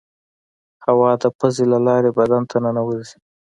هوا د پزې له لارې بدن ته ننوزي.